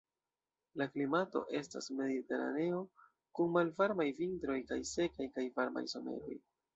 La klimato estas mediteraneo kun malvarmaj vintroj kaj sekaj kaj varmaj someroj.